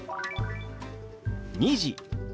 「２時」。